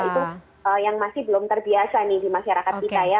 itu yang masih belum terbiasa nih di masyarakat kita ya